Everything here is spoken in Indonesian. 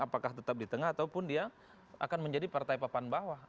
apakah tetap di tengah ataupun dia akan menjadi partai papan bawah